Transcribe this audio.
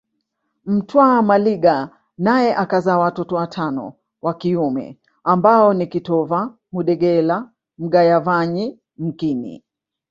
Mtwa Maliga naye akazaa watoto watano wa kiume ambao ni kitova Mudegela Mgayavanyi mkini